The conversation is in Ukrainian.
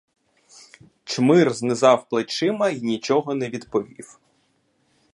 Чмир знизав плечима й нічого не відповів.